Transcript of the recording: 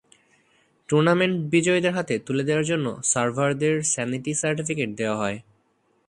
Tournament বিজয়ীদের হাতে তুলে দেওয়ার জন্য সার্ভারদের স্যানিটি সার্টিফিকেট দেওয়া হয়।